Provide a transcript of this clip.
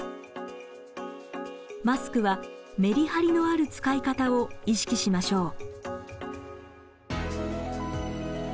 マスクはメリハリのある使い方を意識しましょう。